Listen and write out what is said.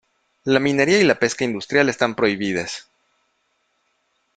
La minería y la pesca industrial están prohibidas.